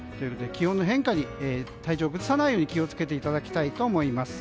気温の変化で体調を崩さないよう気を付けていただきたいと思います。